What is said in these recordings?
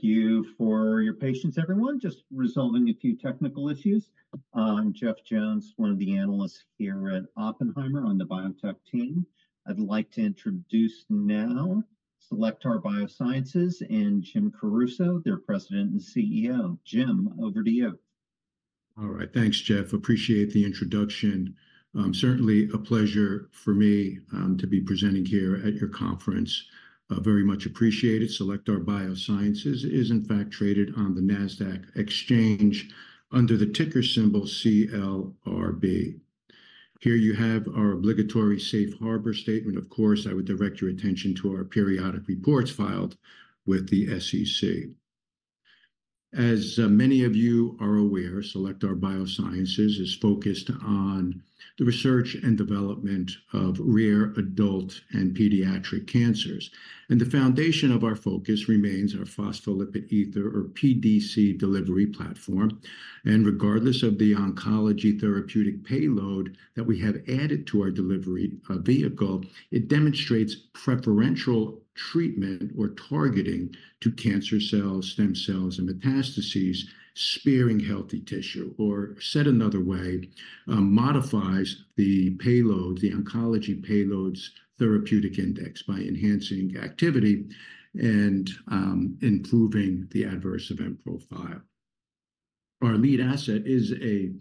Thank you for your patience, everyone. Just resolving a few technical issues. Jeff Jones, one of the analysts here at Oppenheimer on the biotech team. I'd like to introduce now Cellectar Biosciences, and Jim Caruso, their President and CEO. Jim, over to you. All right. Thanks, Jeff. Appreciate the introduction. Certainly a pleasure for me to be presenting here at your conference. Very much appreciated. Cellectar Biosciences is, in fact, traded on the Nasdaq Exchange under the ticker symbol CLRB. Here you have our obligatory safe harbor statement. Of course, I would direct your attention to our periodic reports filed with the SEC. As many of you are aware, Cellectar Biosciences is focused on the research and development of rare adult and pediatric cancers, and the foundation of our focus remains our phospholipid ether, or PDC, delivery platform. Regardless of the oncology therapeutic payload that we have added to our delivery vehicle, it demonstrates preferential treatment or targeting to cancer cells, stem cells, and metastases, sparing healthy tissue. Or said another way, modifies the payload, the oncology payload's therapeutic index by enhancing activity and improving the adverse event profile. Our lead asset is a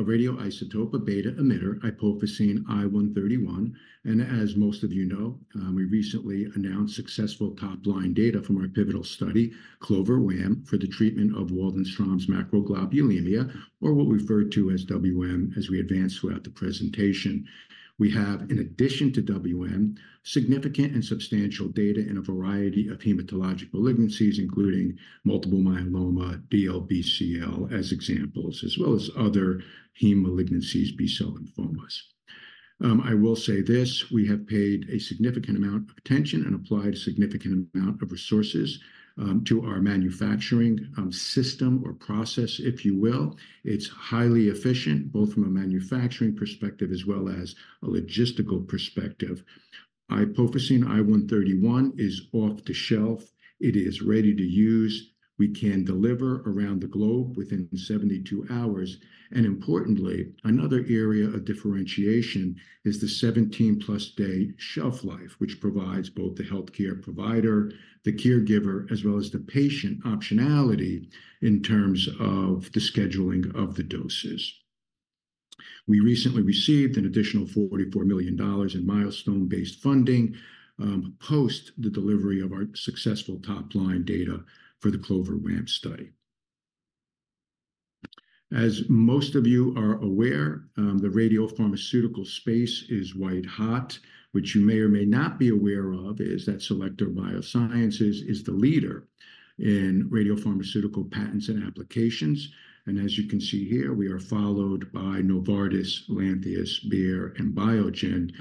radioisotope, a beta emitter, iopofosine I-131. And as most of you know, we recently announced successful top-line data from our pivotal study, CLOVER WaM, for the treatment of Waldenström's macroglobulinemia, or what we refer to as WM, as we advance throughout the presentation. We have, in addition to WM, significant and substantial data in a variety of hematologic malignancies, including multiple myeloma, DLBCL, as examples, as well as other heme malignancies, B-cell lymphomas. I will say this, we have paid a significant amount of attention and applied a significant amount of resources to our manufacturing system or process, if you will. It's highly efficient, both from a manufacturing perspective as well as a logistical perspective. I-131 is off the shelf. It is ready to use. We can deliver around the globe within 72 hours. And importantly, another area of differentiation is the 17+ day shelf life, which provides both the healthcare provider, the caregiver, as well as the patient, optionality in terms of the scheduling of the doses. We recently received an additional $44 million in milestone-based funding, post the delivery of our successful top-line data for the CLOVER WaM study. As most of you are aware, the radiopharmaceutical space is white hot. What you may or may not be aware of is that Cellectar Biosciences is the leader in radiopharmaceutical patents and applications. And as you can see here, we are followed by Novartis, Lantheus, Bayer, and Biogen.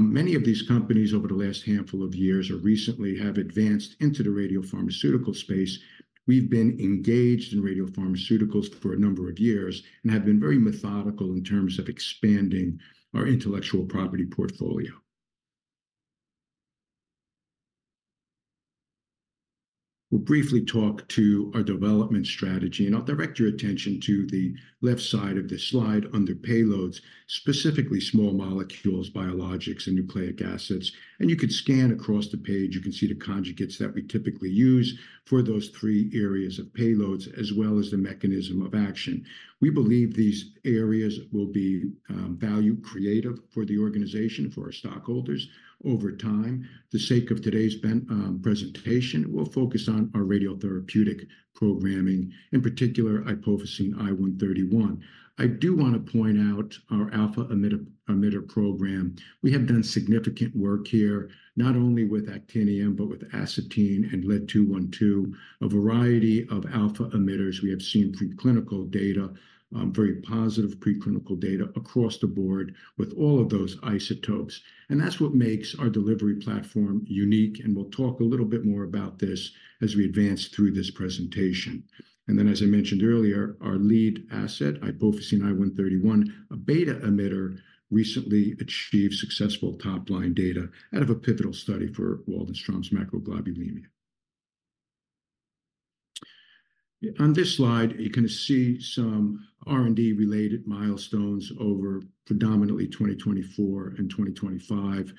Many of these companies, over the last handful of years or recently, have advanced into the radiopharmaceutical space. We've been engaged in radiopharmaceuticals for a number of years and have been very methodical in terms of expanding our intellectual property portfolio. We'll briefly talk to our development strategy, and I'll direct your attention to the left side of this slide under payloads, specifically small molecules, biologics, and nucleic acids. You could scan across the page, you can see the conjugates that we typically use for those three areas of payloads, as well as the mechanism of action. We believe these areas will be value creative for the organization, for our stockholders over time. For the sake of today's presentation, we'll focus on our radiotherapeutic programming, in particular, iopofosine I-131. I do want to point out our alpha emitter program. We have done significant work here, not only with actinium, but with astatine and lead-212, a variety of alpha emitters. We have seen preclinical data, very positive preclinical data across the board with all of those isotopes, and that's what makes our delivery platform unique, and we'll talk a little bit more about this as we advance through this presentation. Then, as I mentioned earlier, our lead asset, iopofosine I-131, a beta emitter, recently achieved successful top-line data out of a pivotal study for Waldenström's macroglobulinemia. On this slide, you can see some R&D-related milestones over predominantly 2024 and 2025.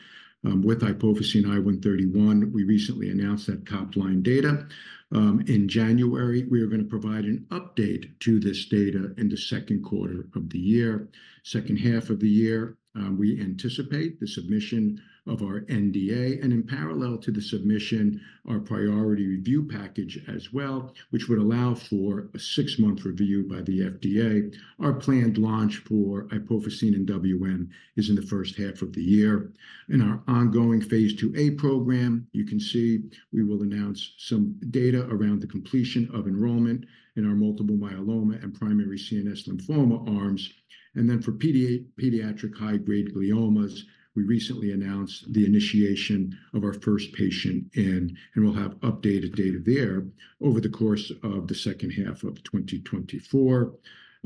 With iopofosine I-131, we recently announced that top-line data. In January, we are going to provide an update to this data in the Q2 of the year. Second half of the year, we anticipate the submission of our NDA, and in parallel to the submission, our priority review package as well, which would allow for a six-month review by the FDA. Our planned launch for iopofosine in WM is in the first half of the year. In our ongoing Phase IIa program, you can see we will announce some data around the completion of enrollment in our multiple myeloma and primary CNS lymphoma arms, and then for pediatric high-grade gliomas, we recently announced the initiation of our first patient, and we'll have updated data there over the course of the second half of 2024.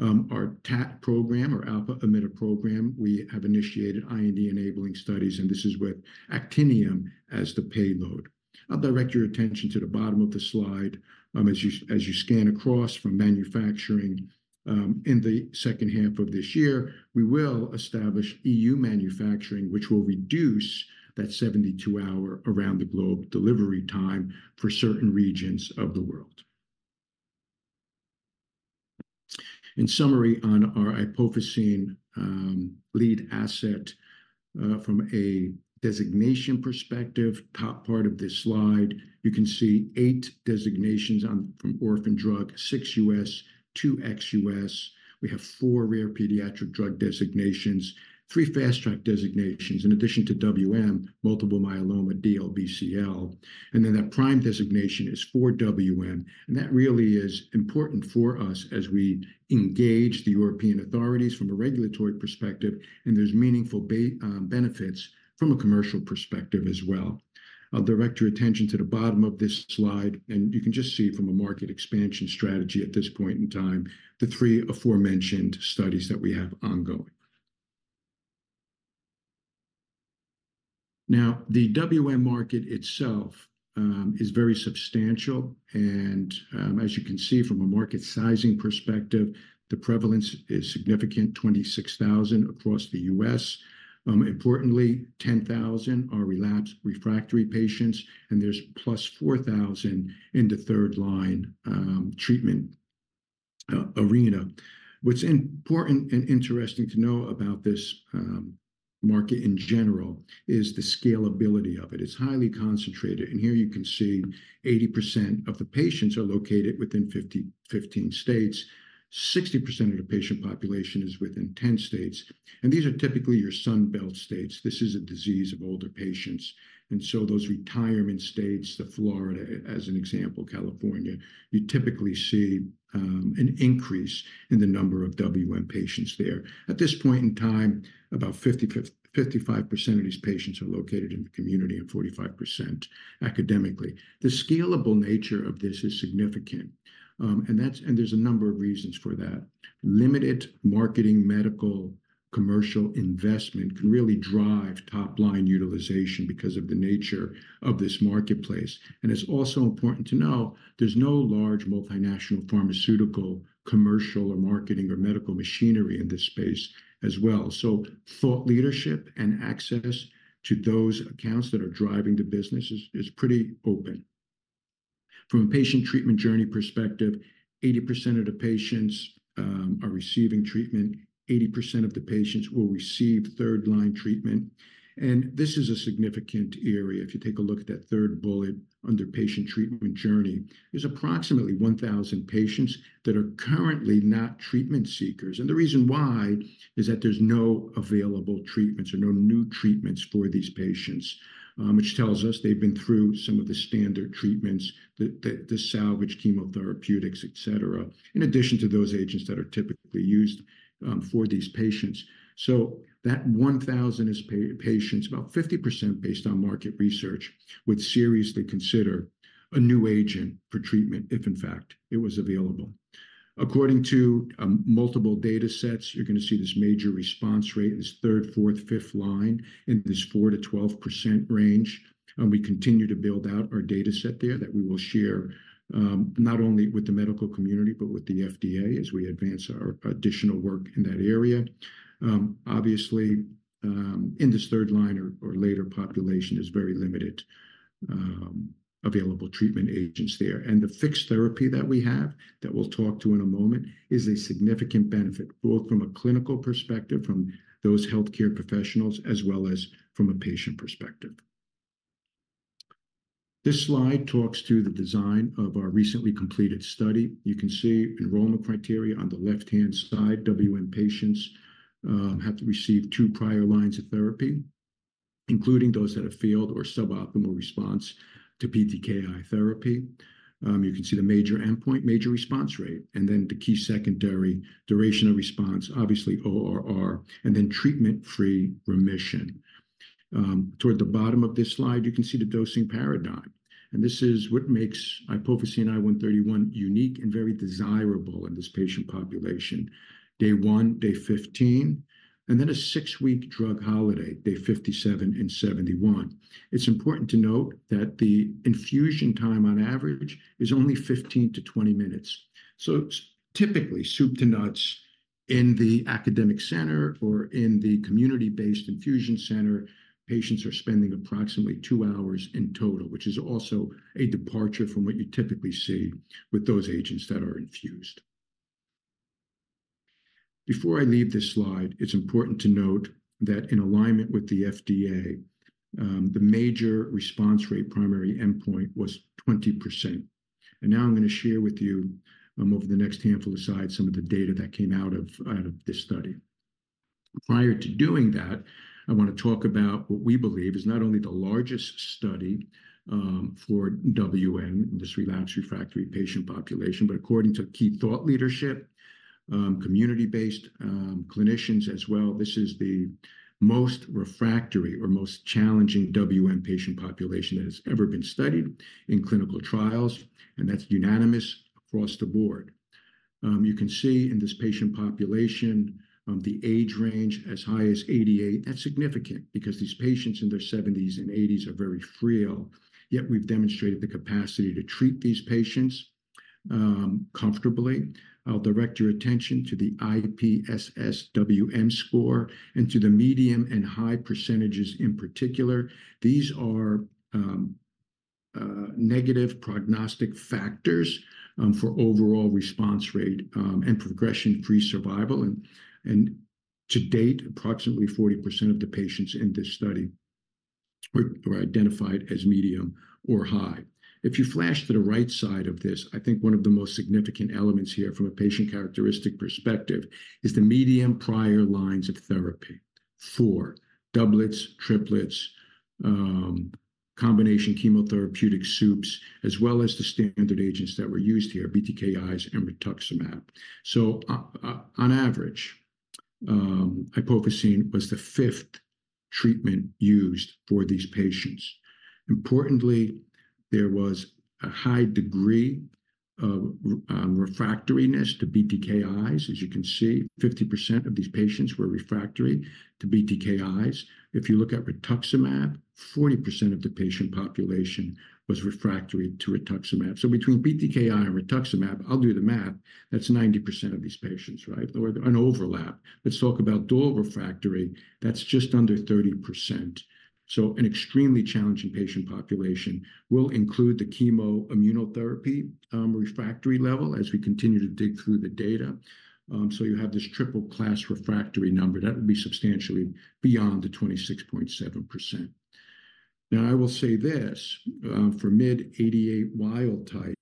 Our TAT program, or alpha-emitter program, we have initiated IND-enabling studies, and this is with actinium as the payload. I'll direct your attention to the bottom of the slide. As you scan across from manufacturing, in the second half of this year, we will establish EU manufacturing, which will reduce that 72-hour around-the-globe delivery time for certain regions of the world. In summary, on our iopofosine lead asset, from a designation perspective, top part of this slide, you can see 8 designations, one from orphan drug, 6 U.S., 2 ex-U.S. We have 4 rare pediatric drug designations, 3 Fast Track designations, in addition to WM, multiple myeloma, DLBCL, and then that PRIME designation is for WM. And that really is important for us as we engage the European authorities from a regulatory perspective, and there's meaningful benefits from a commercial perspective as well. I'll direct your attention to the bottom of this slide, and you can just see from a market expansion strategy at this point in time, the 3 aforementioned studies that we have ongoing. Now, the WM market itself is very substantial, and, as you can see from a market sizing perspective, the prevalence is significant, 26,000 across the U.S. Importantly, 10,000 are relapsed/refractory patients, and there's plus 4,000 in the third-line treatment arena. What's important and interesting to know about this market in general is the scalability of it. It's highly concentrated, and here you can see 80% of the patients are located within 15 states. 60% of the patient population is within 10 states, and these are typically your Sun Belt states. This is a disease of older patients, and so those retirement states, the Florida, as an example, California, you typically see an increase in the number of WM patients there. At this point in time, about 55% of these patients are located in the community and 45% academically. The scalable nature of this is significant, and there's a number of reasons for that. Limited marketing, medical, commercial investment can really drive top-line utilization because of the nature of this marketplace. It's also important to know there's no large multinational pharmaceutical, commercial, or marketing, or medical machinery in this space as well. Thought leadership and access to those accounts that are driving the business is pretty open. From a patient treatment journey perspective, 80% of the patients are receiving treatment, 80% of the patients will receive third-line treatment. This is a significant area. If you take a look at that third bullet under patient treatment journey, there's approximately 1,000 patients that are currently not treatment seekers. The reason why is that there's no available treatments or no new treatments for these patients, which tells us they've been through some of the standard treatments, the salvage chemotherapeutics, et cetera, in addition to those agents that are typically used, for these patients. So that 1000 is patients, about 50% based on market research, would seriously consider a new agent for treatment if, in fact, it was available. According to multiple data sets, you're gonna see this major response rate, this third, fourth, fifth line in this 4%-12% range, and we continue to build out our data set there that we will share, not only with the medical community, but with the FDA as we advance our additional work in that area. Obviously, in this third line or later population is very limited available treatment agents there. And the fixed therapy that we have, that we'll talk to in a moment, is a significant benefit, both from a clinical perspective, from those healthcare professionals, as well as from a patient perspective. This slide talks through the design of our recently completed study. You can see enrollment criteria on the left-hand side. WM patients had to receive 2 prior lines of therapy, including those that have failed or suboptimal response to BTKi therapy. You can see the major endpoint, major response rate, and then the key secondary duration of response, obviously ORR, and then treatment-free remission. Toward the bottom of this slide, you can see the dosing paradigm, and this is what makes iopofosine I-131 unique and very desirable in this patient population. Day 1, day 15, and then a 6-week drug holiday, day 57 and 71. It's important to note that the infusion time on average is only 15-20 minutes. So typically, soup to nuts in the academic center or in the community-based infusion center, patients are spending approximately 2 hours in total, which is also a departure from what you typically see with those agents that are infused. Before I leave this slide, it's important to note that in alignment with the FDA, the major response rate, primary endpoint, was 20%. And now I'm gonna share with you, over the next handful of slides, some of the data that came out of, out of this study. Prior to doing that, I wanna talk about what we believe is not only the largest study for WM, this relapsed/refractory patient population, but according to key thought leadership, community-based clinicians as well, this is the most refractory or most challenging WM patient population that has ever been studied in clinical trials, and that's unanimous across the board. You can see in this patient population, the age range as high as 88. That's significant because these patients in their 70s and 80s are very frail, yet we've demonstrated the capacity to treat these patients comfortably. I'll direct your attention to the IPSS-WM score and to the medium and high percentages in particular. These are negative prognostic factors for overall response rate and progression-free survival. To date, approximately 40% of the patients in this study are identified as medium or high. If you flash to the right side of this, I think one of the most significant elements here from a patient characteristic perspective is the median prior lines of therapy. 4 doublets, triplets, combination chemotherapeutic soups, as well as the standard agents that were used here, BTKIs and rituximab. So, on average, iopofosine was the fifth treatment used for these patients. Importantly, there was a high degree of refractoriness to BTKIs. As you can see, 50% of these patients were refractory to BTKIs. If you look at rituximab, 40% of the patient population was refractory to rituximab. So between BTKI and rituximab, I'll do the math, that's 90% of these patients, right? Or an overlap. Let's talk about dual refractory. That's just under 30%. So an extremely challenging patient population. We'll include the chemoimmunotherapy refractory level as we continue to dig through the data. So you have this triple class refractory number, that would be substantially beyond the 26.7%. Now, I will say this, for MYD88 wild type,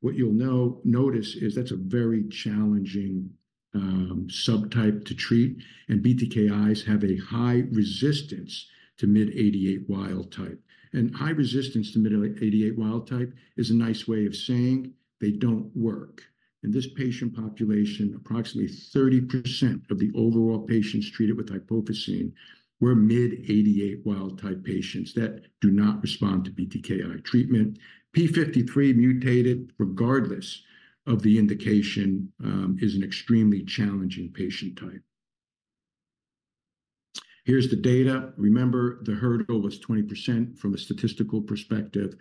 what you'll notice is that's a very challenging subtype to treat, and BTKIs have a high resistance to MYD88 wild type. And high resistance to MYD88 wild type is a nice way of saying they don't work. In this patient population, approximately 30% of the overall patients treated with iopofosine were MYD88 wild type patients that do not respond to BTKI treatment. p53 mutated, regardless of the indication, is an extremely challenging patient type. Here's the data. Remember, the hurdle was 20% from a statistical perspective.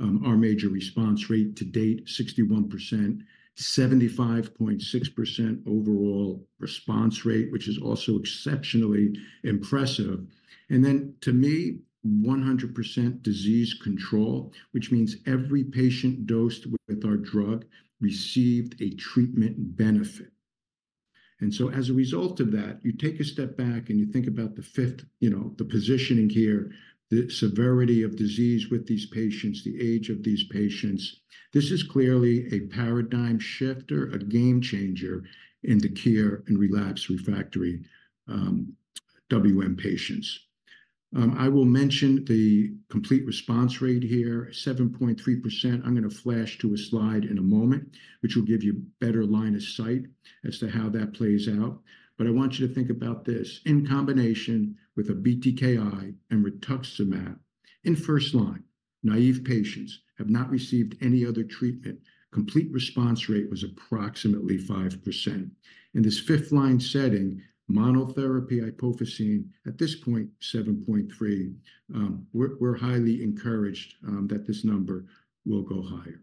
Our major response rate to date, 61%, 75.6% overall response rate, which is also exceptionally impressive. Then, to me, 100% disease control, which means every patient dosed with our drug received a treatment benefit. So as a result of that, you take a step back, and you think about the fifth, you know, the positioning here, the severity of disease with these patients, the age of these patients. This is clearly a paradigm shifter, a game changer in the care and relapsed refractory WM patients. I will mention the complete response rate here, 7.3%. I'm gonna flash to a slide in a moment, which will give you better line of sight as to how that plays out. But I want you to think about this in combination with a BTKi and rituximab in first line. Naive patients have not received any other treatment. Complete response rate was approximately 5%. In this fifth-line setting, monotherapy iopofosine, at this point, 7.3. We're highly encouraged that this number will go higher.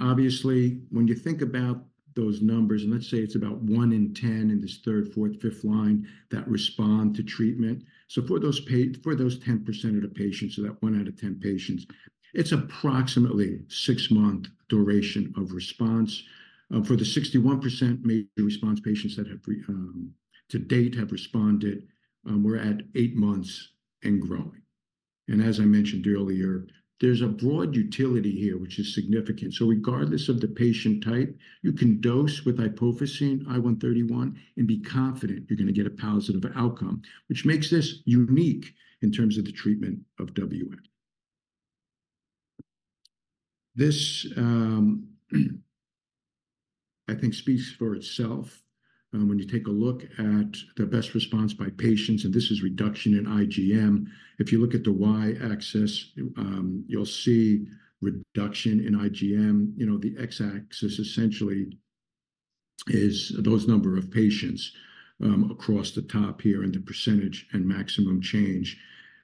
Obviously, when you think about those numbers, and let's say it's about 1 in 10 in this third, fourth, fifth line, that respond to treatment, so for those 10% of the patients, so that 1 out of 10 patients, it's approximately 6-month duration of response. For the 61% major response patients that have, to date, responded, we're at 8 months and growing. And as I mentioned earlier, there's a broad utility here, which is significant. So regardless of the patient type, you can dose with iopofosine I-131 and be confident you're gonna get a positive outcome, which makes this unique in terms of the treatment of WM. This, I think, speaks for itself. When you take a look at the best response by patients, and this is reduction in IgM, if you look at the Y-axis, you'll see reduction in IgM. You know, the X-axis essentially is those number of patients, across the top here, and the percentage and maximum change.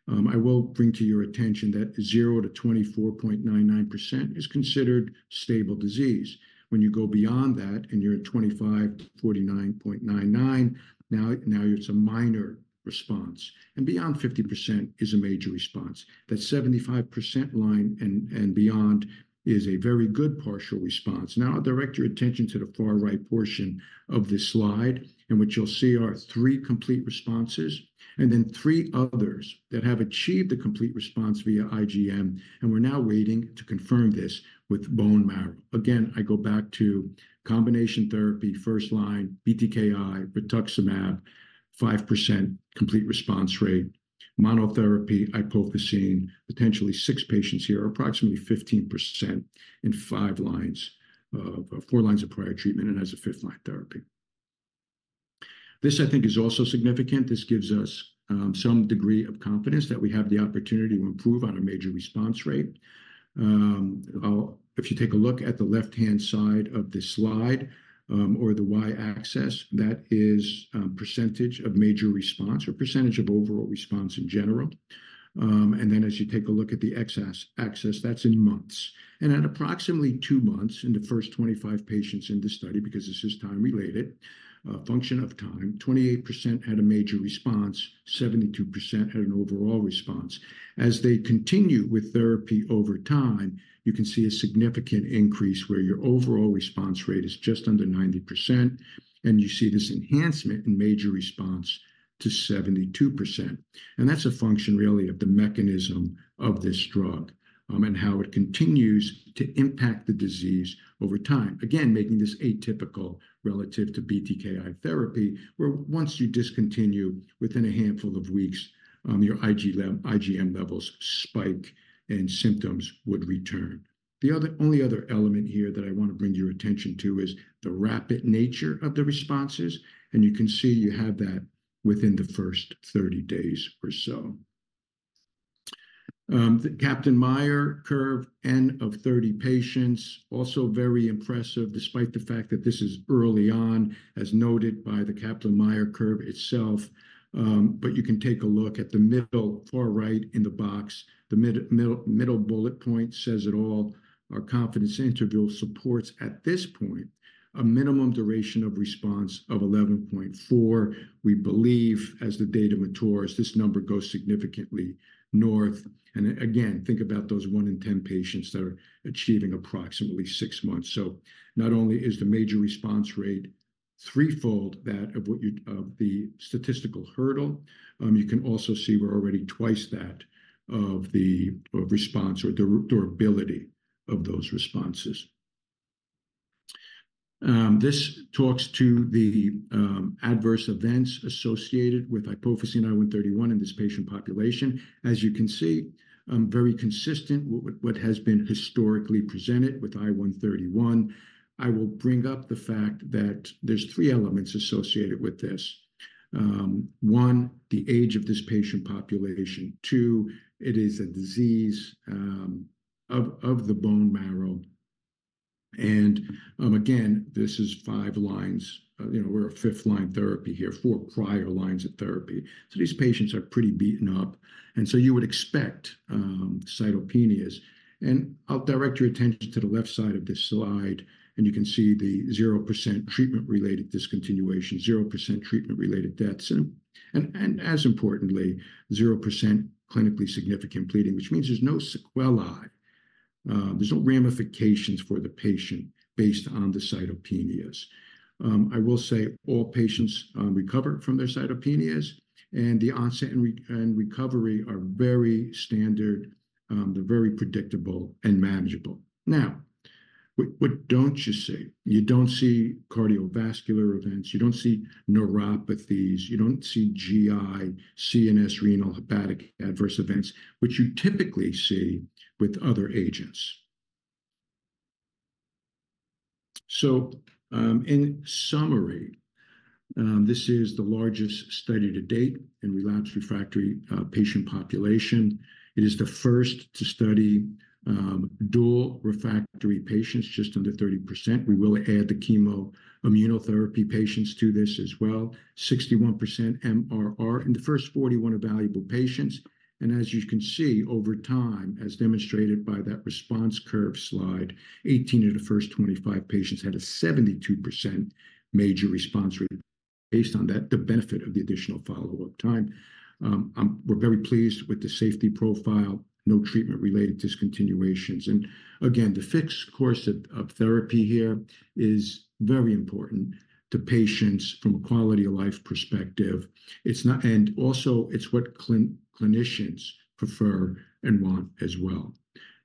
I will bring to your attention that 0-24.99% is considered stable disease. When you go beyond that, and you're at 25-49.99%, now, now it's a minor response, and beyond 50% is a major response. That 75% line and, and beyond is a very good partial response. Now, I'll direct your attention to the far right portion of this slide, in which you'll see our three complete responses, and then three others that have achieved a complete response via IgM, and we're now waiting to confirm this with bone marrow. Again, I go back to combination therapy, first line, BTKi, rituximab, 5% complete response rate, monotherapy iopofosine, potentially six patients here, or approximately 15% in five lines, four lines of prior treatment and as a fifth-line therapy. This, I think, is also significant. This gives us some degree of confidence that we have the opportunity to improve on a major response rate. I'll. If you take a look at the left-hand side of this slide, or the Y-axis, that is, percentage of major response or percentage of overall response in general. And then as you take a look at the X-axis, that's in months. And at approximately 2 months, in the first 25 patients in this study, because this is time related, a function of time, 28% had a major response, 72% had an overall response. As they continue with therapy over time, you can see a significant increase where your overall response rate is just under 90%, and you see this enhancement in major response to 72%. And that's a function, really, of the mechanism of this drug, and how it continues to impact the disease over time. Again, making this atypical relative to BTKI therapy, where once you discontinue, within a handful of weeks, your IgM levels spike, and symptoms would return. The only other element here that I wanna bring your attention to is the rapid nature of the responses, and you can see you have that within the first 30 days or so. The Kaplan-Meier curve, N of 30 patients, also very impressive, despite the fact that this is early on, as noted by the Kaplan-Meier curve itself. But you can take a look at the middle, far right in the box. The middle bullet point says it all: our confidence interval supports, at this point, a minimum duration of response of 11.4. We believe, as the data matures, this number goes significantly north. And again, think about those one in 10 patients that are achieving approximately 6 months. Not only is the major response rate threefold that of the statistical hurdle, you can also see we're already twice that of the response or the durability of those responses. This talks to the adverse events associated with iopofosine I-131 in this patient population. As you can see, very consistent with what has been historically presented with I-131. I will bring up the fact that there's 3 elements associated with this. One, the age of this patient population. Two, it is a disease of the bone marrow. And again, this is 5 lines. You know, we're a 5th line therapy here, 4 prior lines of therapy. So these patients are pretty beaten up, and so you would expect cytopenias. I'll direct your attention to the left side of this slide, and you can see the 0% treatment-related discontinuation, 0% treatment-related deaths, and as importantly, 0% clinically significant bleeding, which means there's no sequelae, there's no ramifications for the patient based on the cytopenias. I will say all patients recover from their cytopenias, and the onset and recovery are very standard. They're very predictable and manageable. Now, what don't you see? You don't see cardiovascular events. You don't see neuropathies. You don't see GI, CNS, renal, hepatic adverse events, which you typically see with other agents. So, in summary, this is the largest study to date in relapsed refractory patient population. It is the first to study dual refractory patients, just under 30%. We will add the chemo immunotherapy patients to this as well. 61% MRR in the first 41 evaluable patients, and as you can see, over time, as demonstrated by that response curve slide, 18 of the first 25 patients had a 72% major response rate. Based on that, the benefit of the additional follow-up time, we're very pleased with the safety profile, no treatment-related discontinuations. And again, the fixed course of therapy here is very important to patients from a quality of life perspective. And also, it's what clinicians prefer and want as well.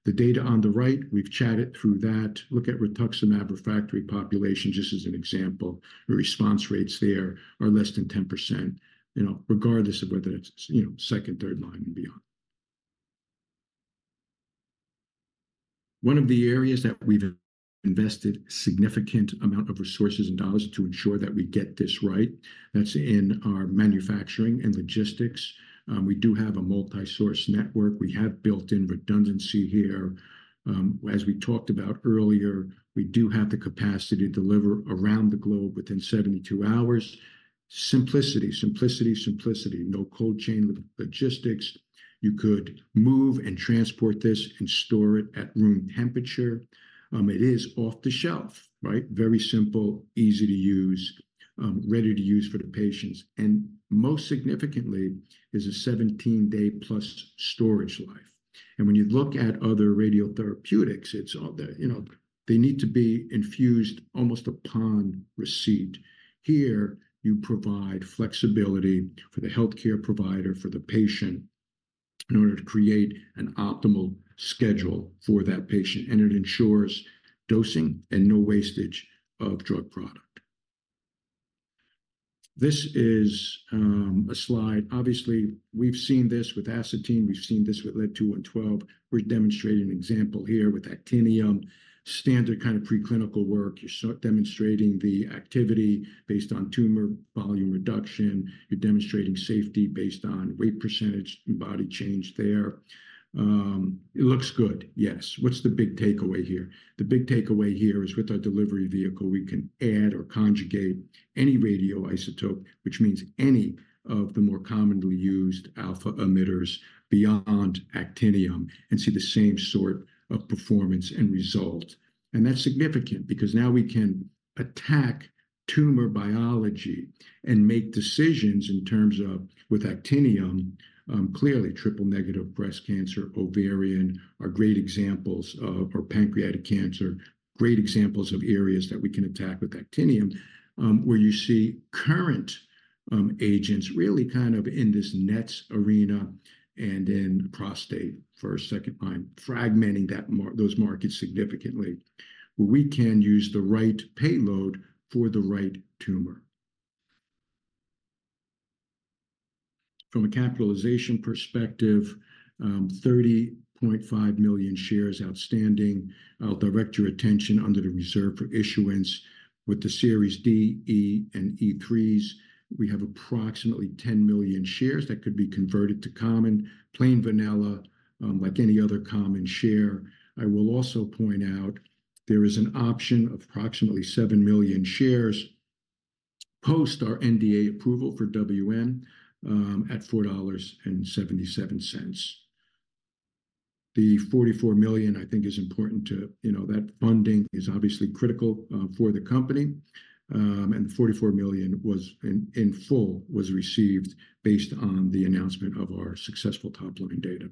The data on the right, we've chatted through that. Look at rituximab refractory population, just as an example. The response rates there are less than 10%, you know, regardless of whether it's, you know, second, third line and beyond. One of the areas that we've invested significant amount of resources and dollars to ensure that we get this right, that's in our manufacturing and logistics. We do have a multi-source network. We have built-in redundancy here. As we talked about earlier, we do have the capacity to deliver around the globe within 72 hours. Simplicity, simplicity, simplicity. No cold chain logistics. You could move and transport this and store it at room temperature. It is off the shelf, right? Very simple, easy to use, ready to use for the patients, and most significantly, it's a 17-day-plus storage life. And when you look at other radiotherapeutics, it's all the... You know, they need to be infused almost upon receipt. Here, you provide flexibility for the healthcare provider, for the patient, in order to create an optimal schedule for that patient, and it ensures dosing and no wastage of drug product. This is a slide. Obviously, we've seen this with astatine, we've seen this with lead-212. We're demonstrating an example here with actinium. Standard kind of preclinical work. You're demonstrating the activity based on tumor volume reduction. You're demonstrating safety based on weight percentage and body change there. It looks good, yes. What's the big takeaway here? The big takeaway here is, with our delivery vehicle, we can add or conjugate any radioisotope, which means any of the more commonly used alpha emitters beyond actinium, and see the same sort of performance and result. And that's significant because now we can attack tumor biology and make decisions in terms of, with actinium, clearly triple-negative breast cancer, ovarian, are great examples of-- or pancreatic cancer, great examples of areas that we can attack with actinium. Where you see current, agents really kind of in this NETs arena and in prostate for a second-line, fragmenting those markets significantly. We can use the right payload for the right tumor. From a capitalization perspective, 30.5 million shares outstanding. I'll direct your attention under the reserved for issuance with the Series D, E, and Series E-3s. We have approximately 10 million shares that could be converted to common, plain vanilla, like any other common share. I will also point out there is an option of approximately 7 million shares post our NDA approval for WM at $4.77. The $44 million, I think, is important to... You know, that funding is obviously critical for the company. And $44 million was in full received based on the announcement of our successful top-line data.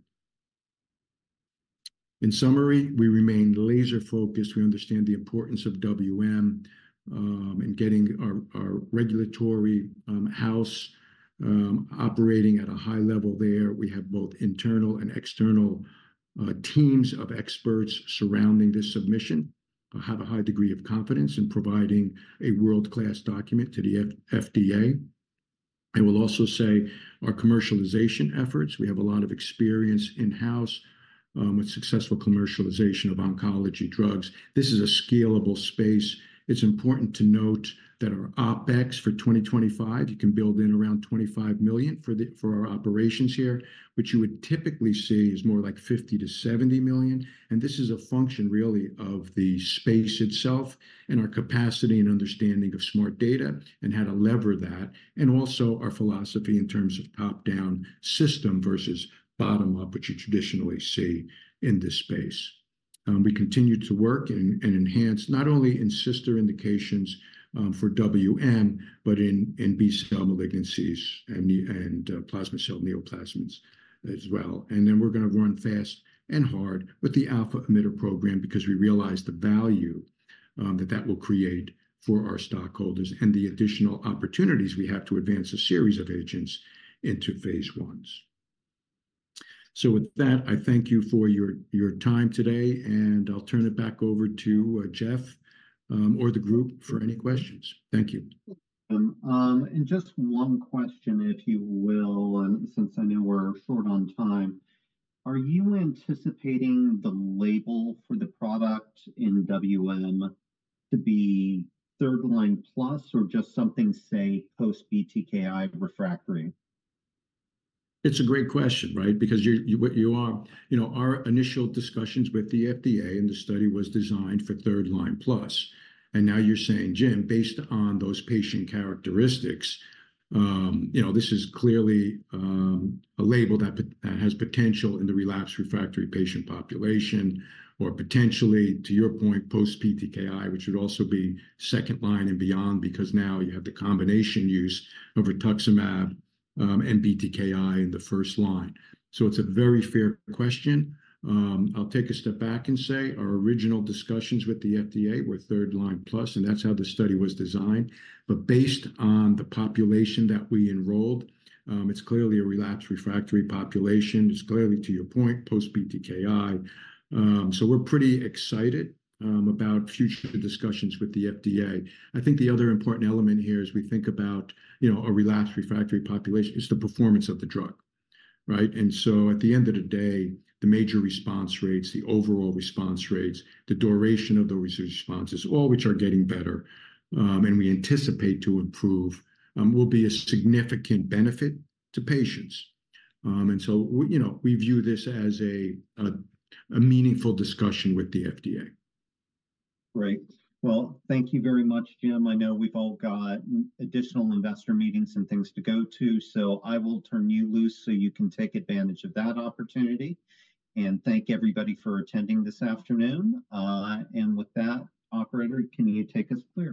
In summary, we remain laser-focused. We understand the importance of WM and getting our regulatory house operating at a high level there. We have both internal and external teams of experts surrounding this submission. I have a high degree of confidence in providing a world-class document to the FDA. I will also say, our commercialization efforts, we have a lot of experience in-house with successful commercialization of oncology drugs. This is a scalable space. It's important to note that our OpEx for 2025, you can build in around $25 million for our operations here, which you would typically see is more like $50-$70 million. This is a function, really, of the space itself and our capacity and understanding of smart data and how to lever that, and also our philosophy in terms of top-down system versus bottom-up, which you traditionally see in this space. We continue to work and enhance, not only in sister indications for WM, but in B-cell malignancies and plasma cell neoplasms as well. Then we're gonna run fast and hard with the alpha emitter program because we realize the value that that will create for our stockholders and the additional opportunities we have to advance a series of agents into phase I's. With that, I thank you for your time today, and I'll turn it back over to Jeff or the group for any questions. Thank you. Just one question, if you will, and since I know we're short on time. Are you anticipating the label for the product in WM to be third-line plus, or just something, say, post-BTKi refractory? It's a great question, right? Because you are-- You know, our initial discussions with the FDA and the study was designed for third-line plus. And now you're saying, "Jim, based on those patient characteristics, you know, this is clearly a label that has potential in the relapsed refractory patient population," or potentially, to your point, post-BTKI, which would also be second line and beyond, because now you have the combination use of rituximab and BTKI in the first line. So it's a very fair question. I'll take a step back and say our original discussions with the FDA were third-line plus, and that's how the study was designed. But based on the population that we enrolled, it's clearly a relapsed refractory population. It's clearly, to your point, post-BTKI. So we're pretty excited about future discussions with the FDA. I think the other important element here is, when we think about, you know, a relapsed refractory population, [it] is the performance of the drug, right? And so at the end of the day, the major response rates, the overall response rates, the duration of response responses, all which are getting better, and we anticipate to improve, will be a significant benefit to patients. And so you know, we view this as a meaningful discussion with the FDA. Great. Well, thank you very much, Jim. I know we've all got additional investor meetings and things to go to, so I will turn you loose so you can take advantage of that opportunity. And thank everybody for attending this afternoon. With that, operator, can you take us clear?